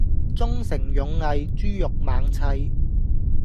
忠誠勇毅豬肉猛砌